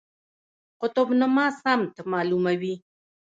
قطب نما سمت معلوموي